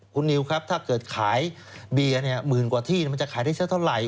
คุณนิวครับถ้าเกิดขายเบียร์หมื่นกว่าที่มันจะขายได้สักเท่าไหร่